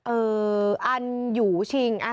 เอออันยูชิง